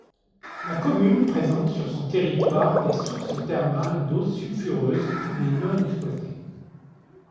La commune présente sur son territoire des sources thermales d'eau sulfureuse mais non exploitées.